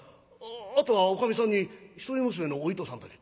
あとはおかみさんに一人娘のお糸さんだけ。